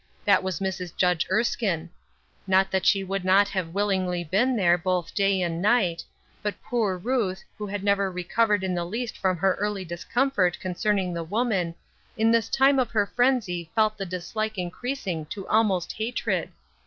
That was Mrs. Judge Er&« kine Not thnt she would not have willingly been 422 Ruth Erskiiie's Crosses. there boih day and night ; but poor Ruth, who had never recovered in the least from her early discomfort concerning the woman, in this time of her frenzy felt the dislike increasing to almost hatred.